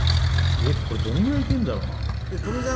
これどんぐらいいけんだろうな？